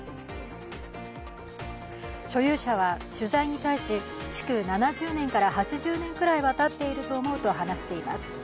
所有者は取材に対し築７０年から８０年はたっていると思うと話しています。